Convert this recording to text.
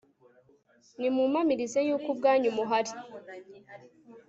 nimumpamirize yuko ubwanyu muhari